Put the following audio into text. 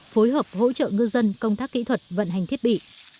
phối hợp hỗ trợ ngư dân công tác kỹ thuật vận hành thiết bị